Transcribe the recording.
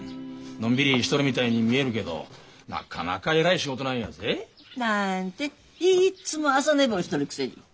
のんびりしとるみたいに見えるけどなかなかえらい仕事なんやぜ。なんていっつも朝寝坊しとるくせに。